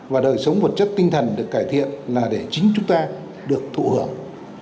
và đời sống vật chất tinh thần được cải thiện là để chính chúng ta được thụ hưởng